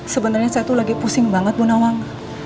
sebenernya saya tuh lagi pusing banget bunawang